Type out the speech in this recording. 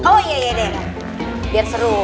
oh iya iya deh biar seru